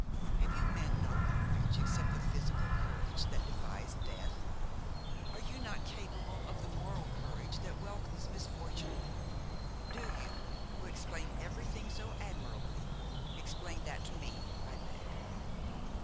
Have you men no courage except the physical courage that defies death? are you not capable of the moral courage that welcomes misfortune? Do you, who explain everything so admirably, explain that to me, I beg.